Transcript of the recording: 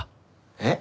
えっ？